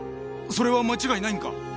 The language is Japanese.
それは間違いないんか？